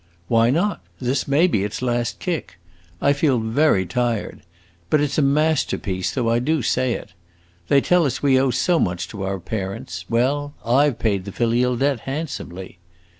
"Why not? This may be its last kick! I feel very tired. But it 's a masterpiece, though I do say it. They tell us we owe so much to our parents. Well, I 've paid the filial debt handsomely!"